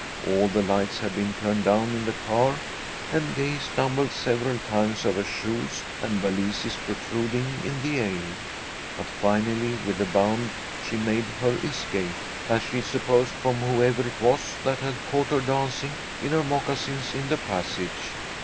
All the lights had been turned down in the car, and Gay stumbled several times over shoes and valises protruding in the aisle. But finally, with a bound, she made her escape, as she supposed, from whoever it was that had caught her dancing in her moccasins in the passage.